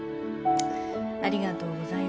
ありがとうございます。